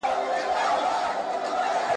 د مختلفو عواملو له مخي، وېره لري `